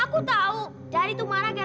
aku tahu dari tuh marah gara gara mobil